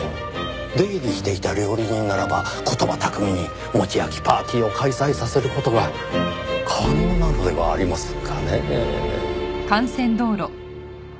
出入りしていた料理人ならば言葉巧みに餅焼きパーティーを開催させる事が可能なのではありませんかねぇ。